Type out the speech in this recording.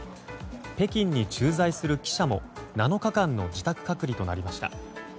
北京に駐在する記者も７日間の自宅隔離となりました。